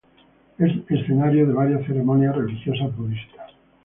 Es escenario de varias ceremonias religiosas budistas.